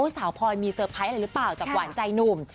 สาวพลอยมีเซอร์ไพรส์อะไรหรือเปล่าจากหวานใจหนุ่ม